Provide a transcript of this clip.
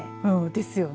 ですよね。